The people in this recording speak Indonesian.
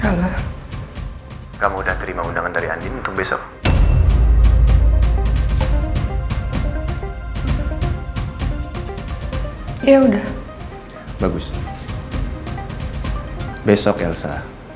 ya kamu udah terima undangan dari andin untuk besok ya udah bagus besok elsa